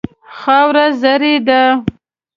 خاوره زرعي ده.